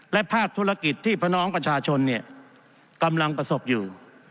และภาคธุรกิจที่พี่น้องประชาชนกำลังประสบอยู่